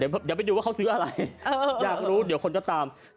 เดี๋ยวไปดูว่าเขาซื้ออะไรอยากรู้เดี๋ยวคนก็ตาม